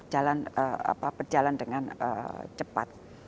dan mereka berpikir cepat